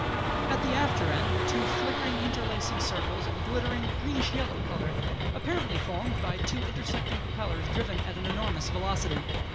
At the after end were two flickering, interlacing circles of a glittering greenish yellow colour, apparently formed by two intersecting propellers driven at an enormous velocity.